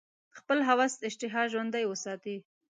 خپل هوس اشتها ژوندۍ وساتي.